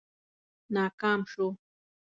ناکام شو.